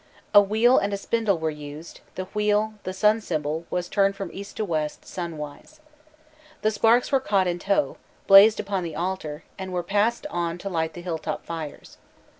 A wheel and a spindle were used: the wheel, the sun symbol, was turned from east to west, sunwise. The sparks were caught in tow, blazed upon the altar, and were passed on to light the hilltop fires.